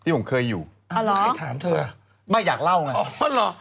ผมเคยอยู่ใครถามเธอไม่อยากเล่าไงอ๋อเหรอ